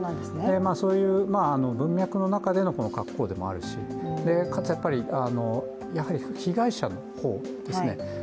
そういう文脈の中での、この格好でもあるしかつ被害者の方ですね。